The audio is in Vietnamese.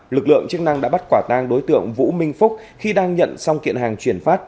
lực lượng chức năng đã bắt quả tang đối tượng vũ minh phúc khi đang nhận xong kiện hàng chuyển phát